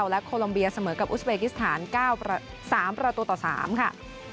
และโคลัมเบียเสมอกับอุสเบกิสถาน๙๓ประตูต่อ๓ค่ะ